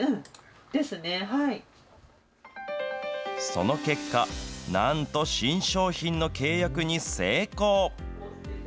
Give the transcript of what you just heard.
その結果、なんと新商品の契約に成功。